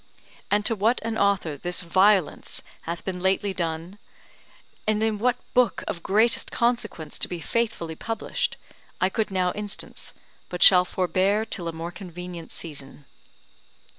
And to what an author this violence hath been lately done, and in what book of greatest consequence to be faithfully published, I could now instance, but shall forbear till a more convenient season.